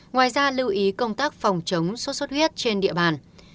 ngoài ra lưu ý công tác phòng chống sốt xuất huyết trên địa bàn